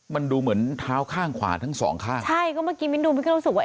มันดูเหมือนเท้าข้างขวาทั้งสองข้างใช่ก็เมื่อกี้มิ้นดูมินก็รู้สึกว่า